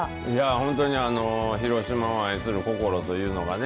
本当に広島を愛する心というのがね